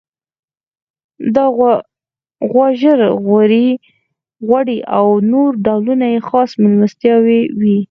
د غوا ژړ غوړي او نور ډولونه یې خاص میلمستیاوې وې.